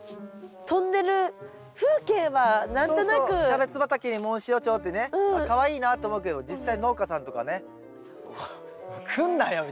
キャベツ畑にモンシロチョウってねあっかわいいなって思うけど実際農家さんとかね来んなよ！みたいな。